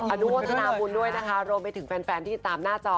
อนุโมทนาบุญด้วยนะคะรวมไปถึงแฟนที่ตามหน้าจอ